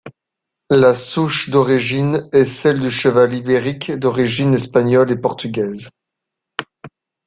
La souche d'origine est celle du cheval ibérique d'origine espagnole et portugaise.